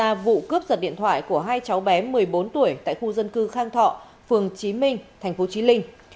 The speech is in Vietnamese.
gây ra vụ cướp giật điện thoại của hai cháu bé một mươi bốn tuổi tại khu dân cư khang thọ phường chí minh tp chí linh